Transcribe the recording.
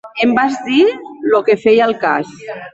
- Em vas dir... lo que feia al cas.